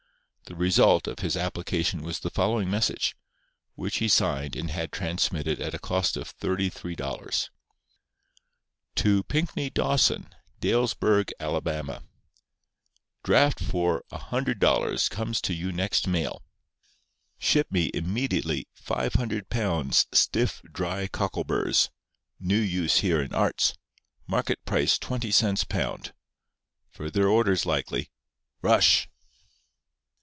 The result of his application was the following message, which he signed and had transmitted at a cost of $33: TO PINKNEY DAWSON, Dalesburg, Ala. Draft for $100 comes to you next mail. Ship me immediately 500 pounds stiff, dry cockleburrs. New use here in arts. Market price twenty cents pound. Further orders likely. Rush.